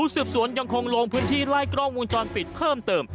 สืบสวนยังคงลงพื้นที่ไล่กล้องวงจรปิดเพิ่มเติม